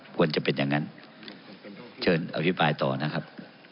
ควรจะเป็นอย่างนั้นเชิญอภิปรายต่อนะครับ